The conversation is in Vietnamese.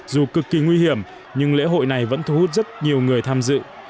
dù cực kỳ nguy hiểm nhưng lễ hội này vẫn thu hút rất nhiều người tham dự